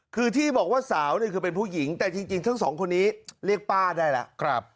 คือที่บอกว่าสาวเนี่ยคือเป็นผู้หญิงแต่จริงทั้งสองคนนี้เรียกป้าได้แล้ว